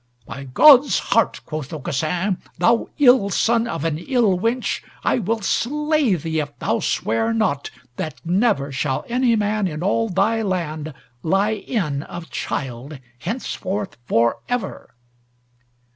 "By God's heart," quoth Aucassin, "thou ill son of an ill wench, I will slay thee if thou swear not that never shall any man in all thy land lie in of child henceforth for ever."